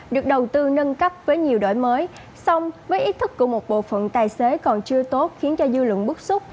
được đầu tư nâng cấp với nhiều đổi mới song với ý thức của một bộ phận tài xế còn chưa tốt khiến cho dư luận bức xúc